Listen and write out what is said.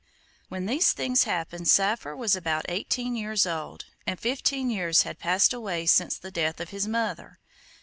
When these things happened Saphir was about eighteen years old, and fifteen years had passed away since the death of his mother.